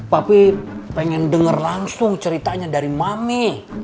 papi pengen denger langsung ceritanya dari mami